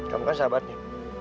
kamu kan sahabatnya